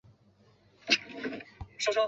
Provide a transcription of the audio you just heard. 博斯康坦人口变化图示